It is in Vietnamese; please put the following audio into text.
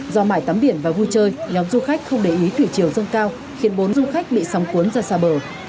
do mãi tắm biển và vui chơi nhóm du khách không để ý thủy chiều dâng cao khiến bốn du khách bị sóng cuốn ra xa bờ